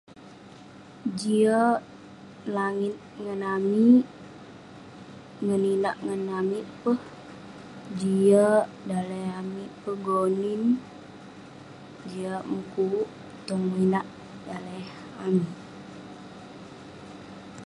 Jiak langit ngan amik ngan inak ngan amik peh jiak lak daleh amik pun gonin jiak mukuk tong inak daleh amik